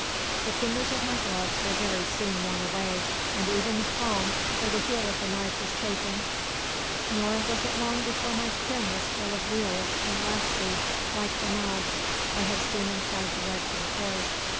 The fingers of my gloves were very soon worn away, and even the palm where the heel of the knife was chafing; nor was it long before my skin was full of weals, and raspy, like the knobs I have seen inside the legs of a horse.